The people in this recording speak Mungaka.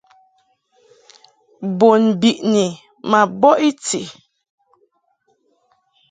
Bun biʼni ma bɔʼ i ti.